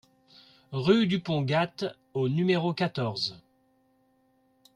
Rue du Pont Gate au numéro quatorze